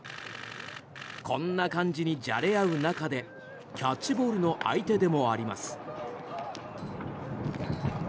こんな感じに、じゃれ合う仲でキャッチボールの相手でもあります。